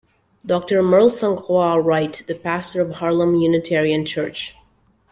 Doctor Merle Saint Croix Wright, the pastor of Harlem Unitarian Church.